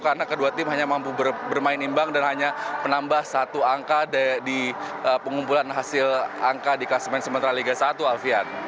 karena kedua tim hanya mampu bermain imbang dan hanya menambah satu angka di pengumpulan hasil angka di klasemen sementara liga satu